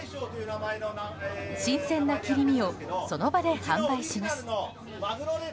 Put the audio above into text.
新鮮な切り身をその場で販売します。